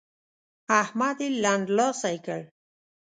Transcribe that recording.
احمد يې لنډلاسی کړ.